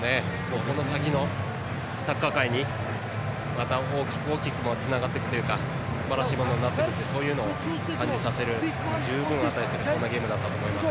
この先のサッカー界にまた大きくつながってくるというかすばらしいものになるということを感じさせられるゲームだったと思います。